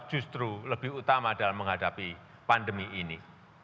justru lebih utama dalam menghadapi pandemi ini